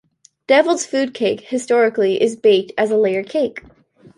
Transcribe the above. Devil's food cake historically is baked as a layer cake.